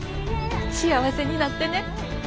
幸せになってね。